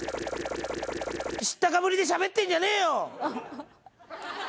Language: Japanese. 知ったかぶりでしゃべってんじゃねえよ！